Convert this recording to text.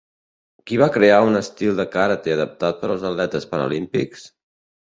Qui va crear un estil de karate adaptat per als atletes paralímpics?